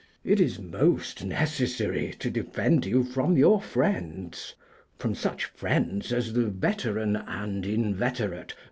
It is most necessary to defend you from your friends from such friends as the veteran and inveterate M.